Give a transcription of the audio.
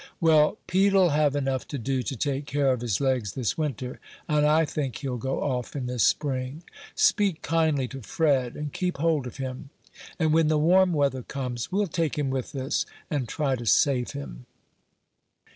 "Well, Pete'll have enough to do to take care of his legs this winter, and I think he'll go off in the spring. Speak kindly to Fred, and keep hold of him; and when the warm weather comes, we'll take him with us, and try to save him."